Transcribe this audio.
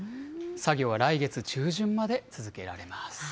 作業は来月中旬まで続けられます。